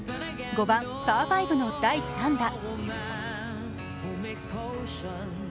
５番・パー５の第３打。